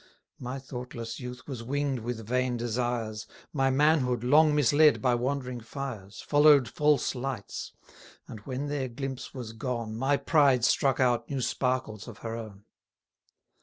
My thoughtless youth was wing'd with vain desires; My manhood, long misled by wandering fires, Follow'd false lights; and when their glimpse was gone, My pride struck out new sparkles of her own.